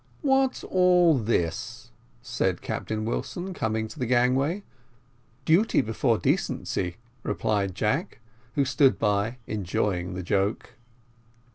"What's all this?" said Captain Wilson, coming to the gangway. "Duty before decency," replied Jack, who stood by, enjoying the joke.